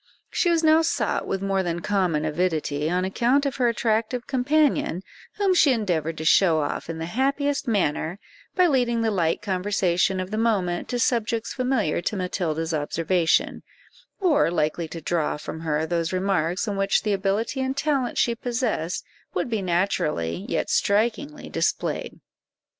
She was now sought with more than common avidity, on account of her attractive companion, whom she endeavoured to show off in the happiest manner, by leading the light conversation of the moment to subjects familiar to Matilda's observation, or likely to draw from her those remarks in which the ability and talent she possessed would be naturally, yet strikingly, displayed.